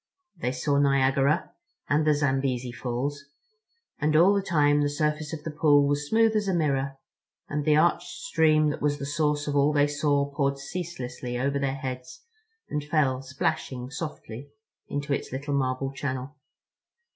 They saw Niagara and the Zambesi Falls; and all the time the surface of the pool was smooth as a mirror and the arched stream that was the source of all they saw poured ceaselessly over their heads and fell splashing softly into its little marble channel.